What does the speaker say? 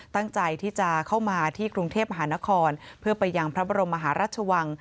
ตั้งใจที่จะเข้ามาที่กรุงเทพมหานครเพื่อไปยังพระบรมมหาราชวัง